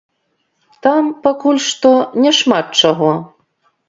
Там, пакуль што, няшмат чаго.